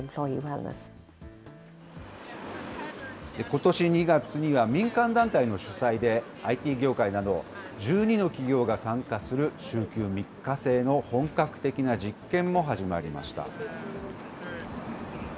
ことし２月には、民間団体の主催で、ＩＴ業界など、１２の企業が参加する、週休３日制の本格的な実験も始まりました。